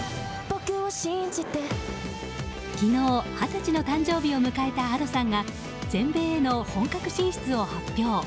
昨日、二十歳の誕生日を迎えたＡｄｏさんが全米への本格進出を発表。